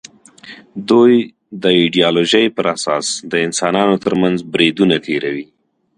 دوی د ایدیالوژۍ پر اساس د انسانانو تر منځ بریدونه تېروي